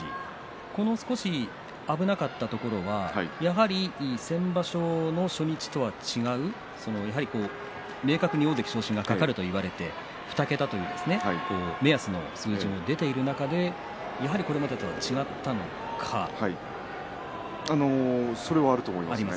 この少し危なかったところは先場所の初日とは違う、明確に大関昇進が懸かると言われて２桁という目安の数字も出ている中でそれはあると思いますね。